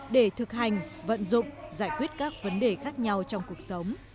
để thực hành vận dụng giải quyết các vấn đề khác nhau trong cuộc sống